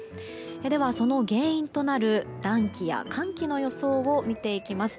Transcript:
では、その原因となる暖気や寒気の予想を見ていきます。